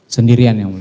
sendirian yang mulia